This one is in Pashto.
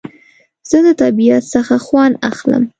زه د طبیعت څخه خوند اخلم